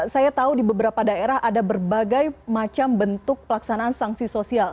saya tahu di beberapa daerah ada berbagai macam bentuk pelaksanaan sanksi sosial